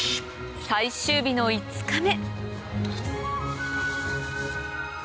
最終日の５日目